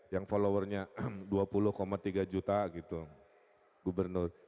yang followernya dua puluh tiga juta gitu gubernur